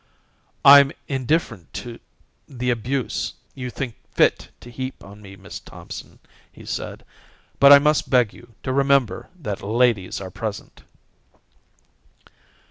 "I'm indifferent to the abuse you think fit to heap on me, Miss Thompson," he said, "but I must beg you to remember that ladies are present."